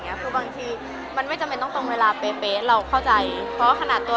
คือบางทีมันไม่จำเป็นต้องตรงเวลาเป๊ะเราเข้าใจเพราะขนาดตัว